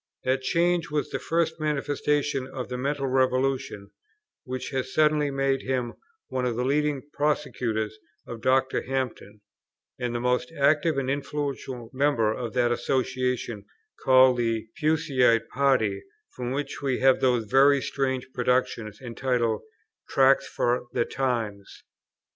That change was the first manifestation of the mental revolution, which has suddenly made him one of the leading persecutors of Dr. Hampden, and the most active and influential member of that association called the Puseyite party, from which we have those very strange productions, entitled, Tracts for the Times.